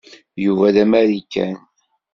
Yuba d amarikan.